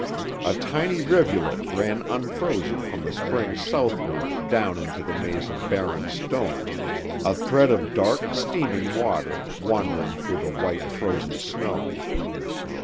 A tiny rivulet ran unfrozen from the spring southward down into the maze of barren stone, a thread of dark, steaming water, wandering through the white, frozen snow.